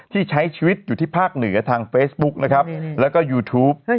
ที่ใช้ชีวิตอยู่ที่ภาคเหนือทางเฟซบุ๊กนะครับแล้วก็ยูทูป